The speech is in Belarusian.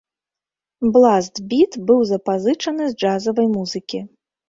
Бласт-біт быў запазычаны з джазавай музыкі.